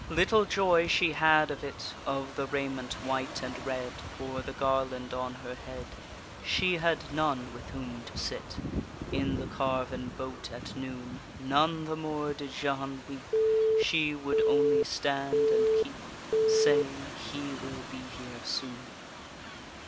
Little joy she had of it, Of the raiment white and red, Or the garland on her head, She had none with whom to sit In the carven boat at noon; None the more did Jehane weep, She would only stand and keep Saying: He will be here soon!